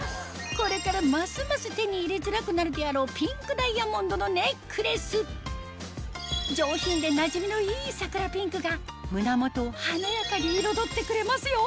これからますます手に入れづらくなるであろうピンクダイヤモンドのネックレス上品でなじみのいいさくらピンクが胸元を華やかに彩ってくれますよ